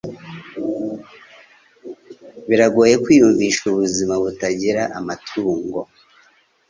Biragoye kwiyumvisha ubuzima butagira amatungo